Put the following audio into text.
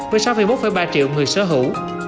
với sáu một ba triệu người sở hữu